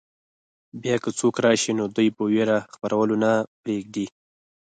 بیا که څوک راشي نو دوی په وېره خپرولو نه پرېږدي.